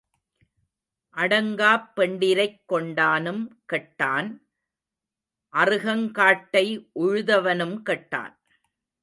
அடங்காப் பெண்டிரைக் கொண்டானும் கெட்டான் அறுகங்காட்டை உழுதவனும் கெட்டான்.